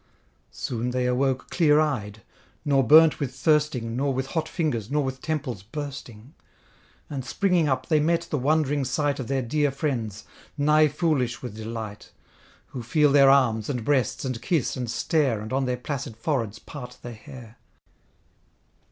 Soon they awoke clear eyed: nor burnt with thirsting, Nor with hot fingers, nor with temples bursting: And springing up, they met the wond'ring sight Of their dear friends, nigh foolish with delight; Who feel their arms, and breasts, and kiss and stare, And on their placid foreheads part the hair.